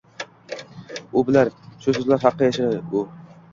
U bilar: Shu soʻzlar haqqi yashar u